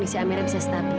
dan dia gimanamaygesch chihira